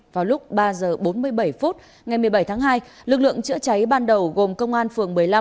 vào lúc ba h bốn mươi bảy phút ngày một mươi bảy tháng hai lực lượng chữa cháy ban đầu gồm công an phường một mươi năm